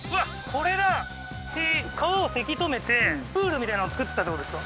これだへえー川をせき止めてプールみたいなのを作ってたってことですか？